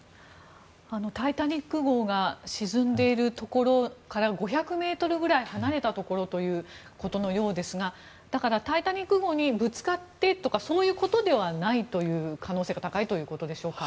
「タイタニック号」が沈んでいるところから５００ｍぐらい離れたところということのようですが「タイタニック号」にぶつかってとかそういうことではないという可能性が高いということでしょうか。